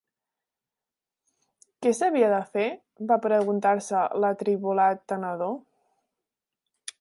Què s'havia de fer?, va preguntar-se l'atribolat tenedor.